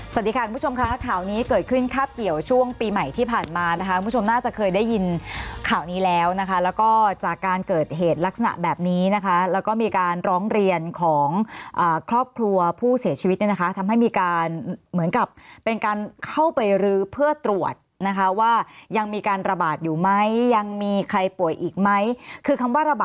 สวัสดีค่ะคุณผู้ชมค่ะข่าวนี้เกิดขึ้นคาบเกี่ยวช่วงปีใหม่ที่ผ่านมานะคะคุณผู้ชมน่าจะเคยได้ยินข่าวนี้แล้วนะคะแล้วก็จากการเกิดเหตุลักษณะแบบนี้นะคะแล้วก็มีการร้องเรียนของครอบครัวผู้เสียชีวิตเนี่ยนะคะทำให้มีการเหมือนกับเป็นการเข้าไปรื้อเพื่อตรวจนะคะว่ายังมีการระบาดอยู่ไหมยังมีใครป่วยอีกไหมคือคำว่าระบ